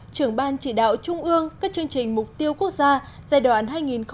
trưởng ban chỉ đạo trung ương các chương trình mục tiêu quốc gia giai đoạn hai nghìn một mươi sáu hai nghìn hai mươi